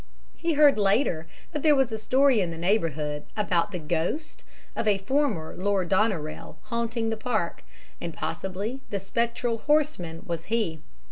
He heard later that there was a story in the neighbourhood about 'the ghost' of a former Lord Doneraile 'haunting' the park and possibly the spectral horseman was he.